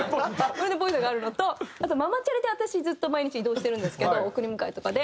ゴールデンポイントがあるのとあとママチャリで私ずっと毎日移動してるんですけど送り迎えとかで。